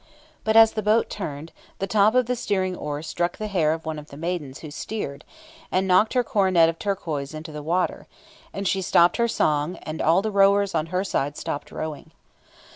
"But as the boat turned, the top of the steering oar struck the hair of one of the maidens who steered, and knocked her coronet of turquoise into the water; and she stopped her song, and all the rowers on her side stopped rowing.